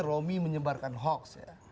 romi menyebarkan hoax